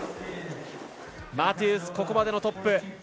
マティース、ここまでのトップ。